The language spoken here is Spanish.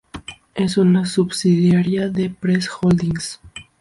Es una subsidiaria de Press Holdings.